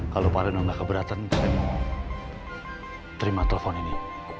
kalau pak reno nggak keberatan kita mau terima telepon ini